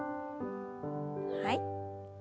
はい。